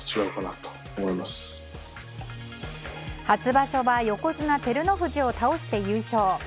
初場所は横綱・照ノ富士を倒して優勝。